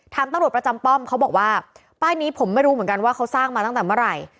ตำรวจประจำป้อมเขาบอกว่าป้ายนี้ผมไม่รู้เหมือนกันว่าเขาสร้างมาตั้งแต่เมื่อไหร่